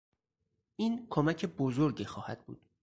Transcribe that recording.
این کمک بزرگی خواهد بود.